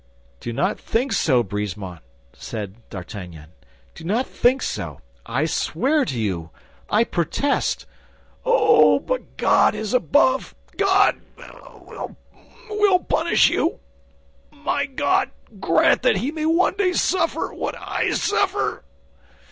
"Do not think so, Brisemont," said D'Artagnan; "do not think so. I swear to you, I protest—" "Oh, but God is above! God will punish you! My God, grant that he may one day suffer what I suffer!"